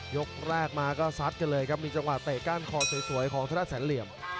ยกแรกมาก็ซัดกันเลยครับมีจังหวะเตะก้านคอสวยของธนาแสนเหลี่ยม